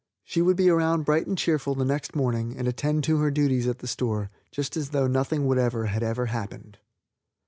She would be around bright and cheerful the next morning, and attend to her duties at the store just as though nothing whatever had ever happened.